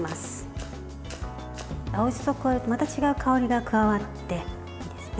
青じそを加えるとまた違う香りが加わっていいですね。